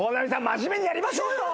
真面目にやりましょうよ！